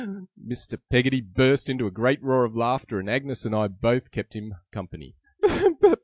Mr. Peggotty burst into a great roar of laughter, and Agnes and I both kept him company.